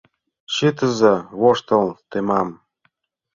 Чытыза, воштыл темам...